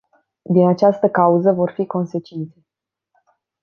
Din această cauză, vor fi consecințe.